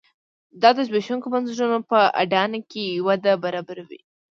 دا د زبېښونکو بنسټونو په اډانه کې وده برابروي.